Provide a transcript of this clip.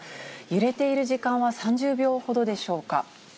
揺れている時間は３０秒ほどでしょうか。